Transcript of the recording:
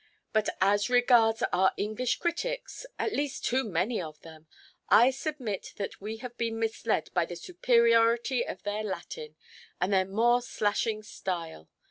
But as regards our English critics—at least too many of them—I submit that we have been misled by the superiority of their Latin, and their more slashing style.